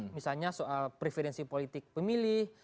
misalnya soal preferensi politik pemilih